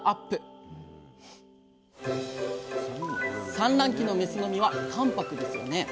産卵期のメスの身は淡泊ですよね？